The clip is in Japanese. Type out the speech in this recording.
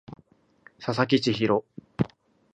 佐々木千隼